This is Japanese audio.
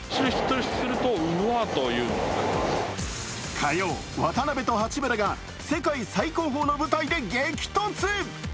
火曜、渡邊と八村が世界最高峰の舞台で激突。